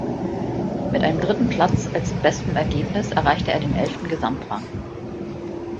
Mit einem dritten Platz als bestem Ergebnis erreichte er den elften Gesamtrang.